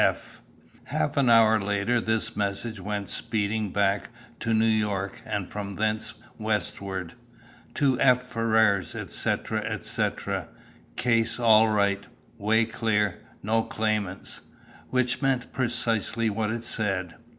"F." Half an hour later this message went speeding back to New York, and from thence westward: "To F. Ferrars, etc., etc. "Case all right; way clear; no claimants." Which meant precisely what it said.